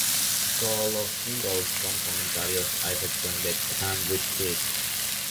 Todos los singles con comentarios a excepción de "Can't Repeat".